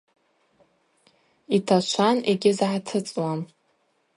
Йташван йгьызгӏатыцӏуам.